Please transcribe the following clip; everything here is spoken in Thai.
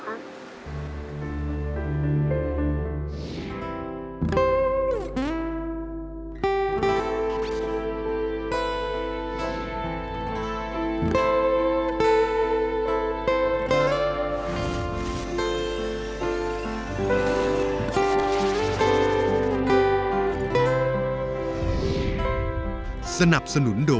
ถ้าแสตม์เจอสิ่งศักดิ์สิทธิ์แล้วก็ชาติหน้าขอให้เกิดเป็นลูกพ่อค่ะ